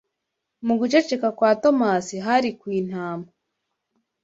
Mu guceceka kwa Tomasi Hari kwintama